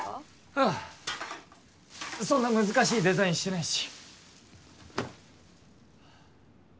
ああそんな難しいデザインしてないし。